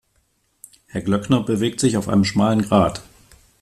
Herr Glöckner bewegt sich auf einem schmalen Grat.